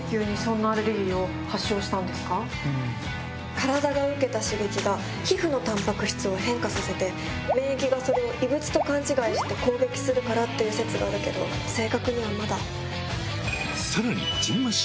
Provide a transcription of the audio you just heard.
体が受けた刺激が皮膚のタンパク質を変化させて免疫がそれを異物と勘違いして攻撃するからって説があるけど正確にはまだ。